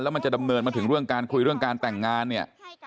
มันจะดำเนินมาถึงเรื่องการคุยเรื่องการแต่งงานเนี่ย